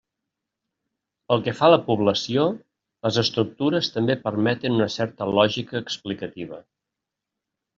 Pel que fa a la població, les estructures també permeten una certa lògica explicativa.